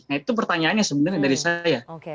nah itu pertanyaannya sebenarnya dari saya